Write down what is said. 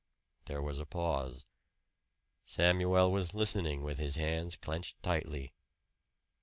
There was a pause. Samuel was listening with his hands clenched tightly.